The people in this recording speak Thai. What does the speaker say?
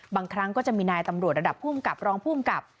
บางครั้งก็จะมีนายตำรวจระดับภูมิกับรองภูมิกับ